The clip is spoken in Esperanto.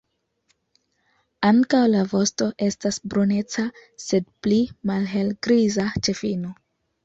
Ankaŭ la vosto estas bruneca, sed pli malhelgriza ĉe fino.